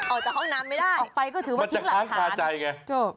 ออกจากห้องน้ำไม่ได้ออกไปก็ถือว่ามันจะค้างคาใจไงถูก